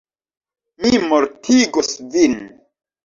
Mi mortigos vin!